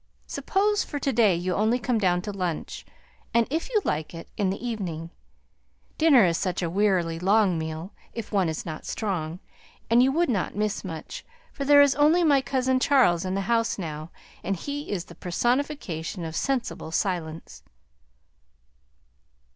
Suppose for to day you only come down to lunch, and if you like it, in the evening. Dinner is such a wearily long meal, if one isn't strong; and you wouldn't miss much, for there's only my cousin Charles in the house now, and he is the personification of sensible silence."